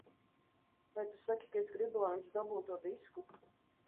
Vai tu saki, ka es gribu, lai viņš dabū to disku?